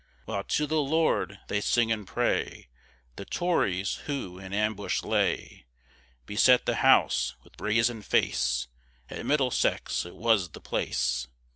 While to the Lord they sing and pray, The Tories who in ambush lay, Beset the house with brazen face, At Middlesex, it was the place.